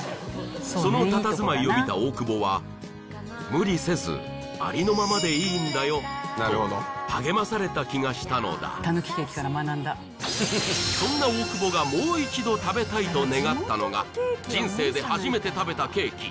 そのたたずまいを見た大久保はと励まされた気がしたのだそんな大久保がもう一度食べたいと願ったのが人生で初めて食べたケーキ